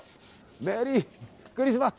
メリークリスマス！